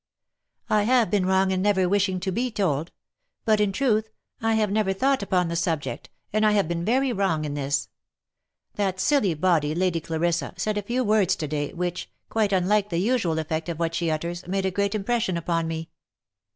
" I have been wrong in never wishing to be told; but, in truth, I have never thought upon the subject, and I have been very wrong in this. That silly body, Lady Clarissa, said a few words to day, which — quite unlike the usual effect of what she utters, made a great impression upon me.